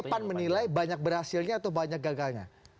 pan menilai banyak berhasilnya atau banyak gagalnya